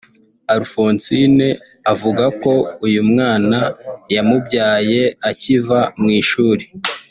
Alphonsine avuga ko uyu mwana yamubyaye akiva mu ishuri